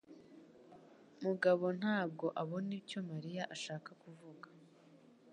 mugabo ntabwo abona icyo Mariya ashaka kuvuga